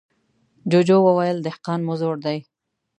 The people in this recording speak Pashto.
جوجو وويل: دهقان مو زوړ دی.